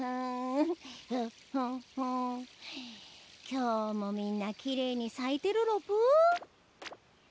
今日もみんなきれいに咲いてるロプ。